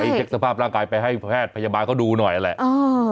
เช็คสภาพร่างกายไปให้แพทย์พยาบาลเขาดูหน่อยแหละ